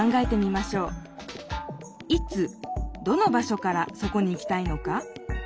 いつどの場所からそこに行きたいのか？